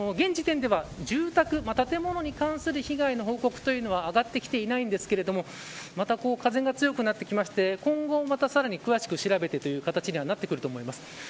現時点では住宅、建物に関する被害の報告というのは上がってきていないんですがまた風が強くなってきまして今後また、さらに詳しく調べてという形にはなってくると思います。